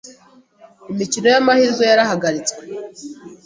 imikino y’amahirwe yarahagaritswe